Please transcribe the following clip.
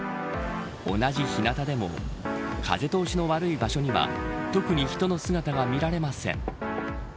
同じ日なたでも風通しの悪い場所には特に人の姿が見られません。